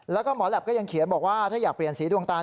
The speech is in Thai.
แล้วก็หมอแหลปก็ยังเขียนบอกว่าถ้าอยากเปลี่ยนสีดวงตา